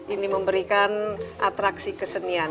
ini memberikan atraksi kesenian